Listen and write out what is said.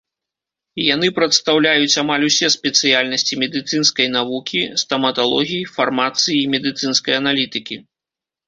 Яны прадстаўляюць амаль усе спецыяльнасці медыцынскай навукі, стаматалогіі, фармацыі і медыцынскай аналітыкі.